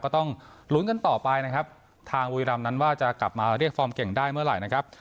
ก็ต้องลุ้นกันต่อไปนะครับทางบุรีรำนั้นว่าจะกลับมาเรียกฟอร์มเก่งได้เมื่อไหร่นะครับ